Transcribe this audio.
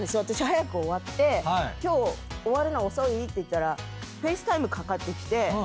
私早く終わって今日終わるの遅い？って言ったらＦａｃｅＴｉｍｅかかってきて。